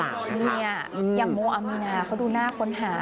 อย่างโมอัมินาเขาดูน่าค้นหา